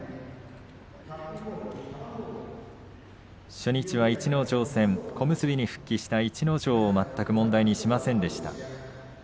初日は逸ノ城戦小結に復帰した逸ノ城を全く問題にしませんでした。